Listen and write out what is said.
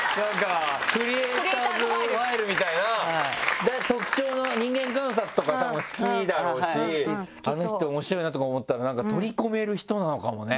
「クリエイターズ・ファイル」みたいな特徴人間観察とかたぶん好きだろうしあの人面白いなとか思ったら取り込める人なのかもね。